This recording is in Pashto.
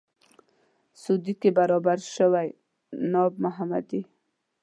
سعودي کې برابر شوی ناب محمدي.